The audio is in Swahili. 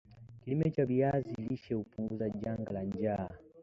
Kilimo cha viazi lishe hupunguza janga la njaa